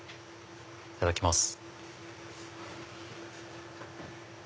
いただきます。